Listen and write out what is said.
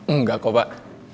enggak kok pak